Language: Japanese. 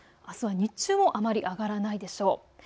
あす日中もあまり上がらないでしょう。